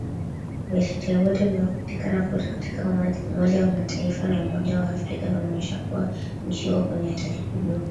Viashiria vyote vinavyopatikana kwetu katika Umoja wa Mataifa na Umoja wa Afrika vinaonyesha kuwa nchi iko kwenye hatari kubwa